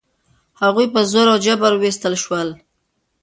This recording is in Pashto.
هغوی په زور او جبر ویستل شوي ول.